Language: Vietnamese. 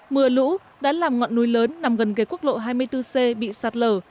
mưa lũ đã làm ngọn núi lớn nằm gần gề quốc lộ hai mươi bốn c bị sạt lở